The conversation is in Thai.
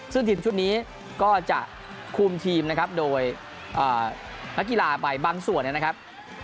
ซึ่งทีมชุดนี้ก็จะคุมทีมนะครับโดยนักกีฬาไปบางส่วนนะครับ